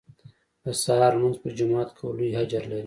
د سهار لمونځ په جماعت کول لوی اجر لري